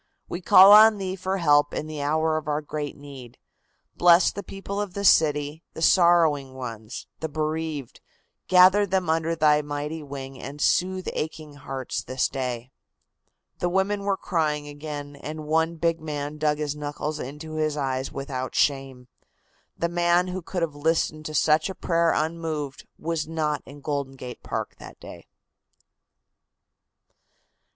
We call on Thee for help in the hour of our great need. Bless the people of this city, the sorrowing ones, the bereaved, gather them under Thy mighty wing and soothe aching hearts this day." The women were crying again, and one big man dug his knuckles into his eyes without shame. The man who could have listened to such a prayer unmoved was not in Golden Gate Park that day.